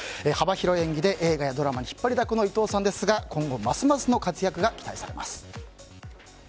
幅広い演技で映画やドラマに引っ張りだこの伊藤さんですが今後ますますのご活躍が期待されます。